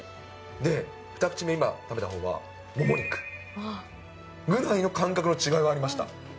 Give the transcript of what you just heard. で、２口目、今食べたほうは、もも肉。ぐらいの感覚の違いがありました。